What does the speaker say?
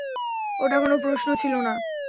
ওটা কোনো প্রশ্ন ছিলো না।